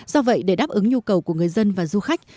do vậy để đáp ứng nhu cầu của người dân và du khách